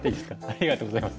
ありがとうございます。